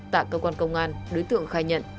tạng cơ quan công an đối tượng khai nhận